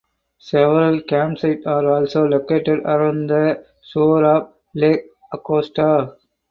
Several campsite are also located around the shore of Lake Augusta.